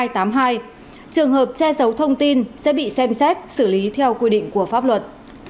trường hợp che giấu thông tin sẽ bị xem xét xử lý theo quy định của pháp luật